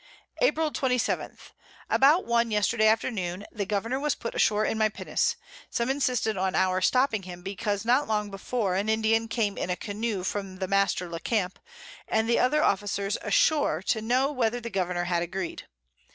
April 24. About One Yesterday Afternoon the Governour was put ashore in my Pinnace: Some insisted on our stopping him, because not long before an Indian came in a Canoe from the Master le Camp, and the other Officers ashore, to know whether the Governour had agreed.